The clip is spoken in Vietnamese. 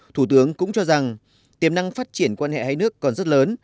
thủ tướng cũng cho rằng tiềm năng phát triển quan hệ hai nước còn rất lớn